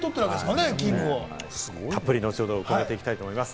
たっぷり後ほどお伺いしていきたいと思います。